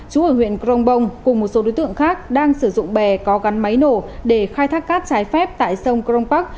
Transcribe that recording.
trú ở huyện grongbong cùng một số đối tượng khác đang sử dụng bè có gắn máy nổ để khai thác cát trái phép tại sông grongpak